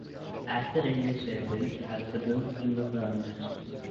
As the railways were built, Hallsberg grew up around it.